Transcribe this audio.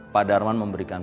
pak darman memberikan